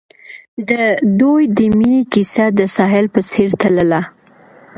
د دوی د مینې کیسه د ساحل په څېر تلله.